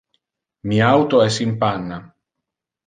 Mi auto es in panna.